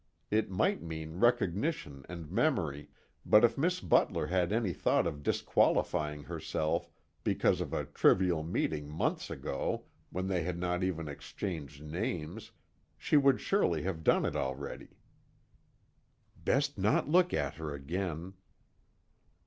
It might mean recognition and memory, but if Miss Butler had any thought of disqualifying herself because of a trivial meeting months ago when they had not even exchanged names, she would surely have done it already. _Best not look at her again.